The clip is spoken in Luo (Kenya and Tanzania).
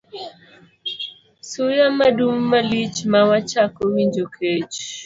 Suya madum malich ma wachako winjo kech